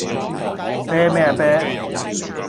啤咩呀啤